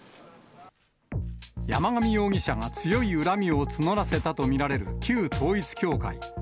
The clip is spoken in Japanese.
山上容疑者が強い恨みを募らせたと見られる旧統一教会。